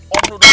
om dudung pergi